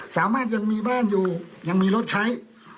สามารถยังมีบ้านอยู่ยังมีรถใช้